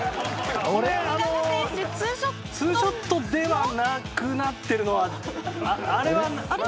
ツーショットではなくなってるのは。